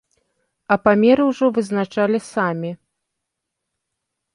А памеры ўжо вызначалі самі.